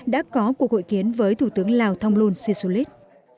đã có cuộc hội kiến với thủ tướng lào thông luân sisulit